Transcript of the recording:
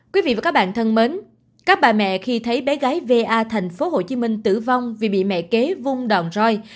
quý vị và các bạn thân mến các bà mẹ khi thấy bé gái va tp hcm tử vong vì bị mẹ kế vung đòn roi